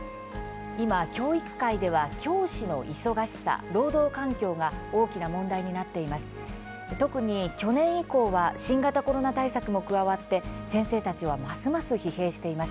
今、教育界では、教師の忙しさ労働環境が大きな問題になっています。